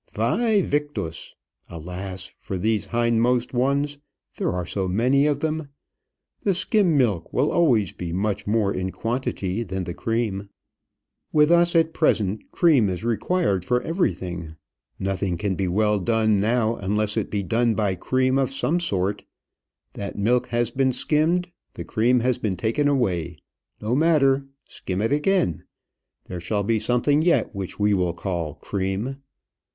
Væ victis alas! for these hindmost ones; there are so many of them! The skim milk will always be so much more in quantity than the cream. With us at present cream is required for everything; nothing can be well done now unless it be done by cream of some sort. That milk has been skimmed; the cream has been taken away. No matter; skim it again. There shall be something yet which we will call cream.